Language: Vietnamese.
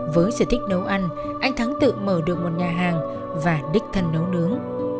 với sự thích nấu ăn anh thắng tự mở được một nhà hàng và đích thân nấu ăn